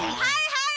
はい！